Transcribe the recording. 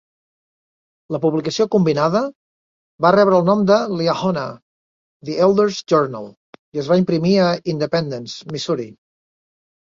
La publicació combinada va rebre el nom de "Liahona: The Elders' Journal" i es va imprimir a Independence, Missouri.